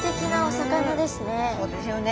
そうですよね。